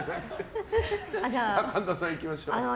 神田さん、いきましょうか。